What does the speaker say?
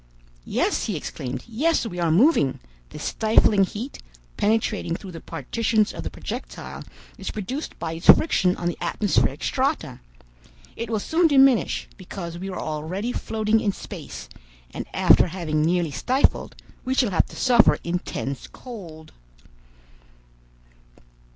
"Yes," he exclaimed, "yes, we are moving! This stifling heat, penetrating through the partitions of the projectile, is produced by its friction on the atmospheric strata. It will soon diminish, because we are already floating in space, and after having nearly stifled, we shall have to suffer intense cold.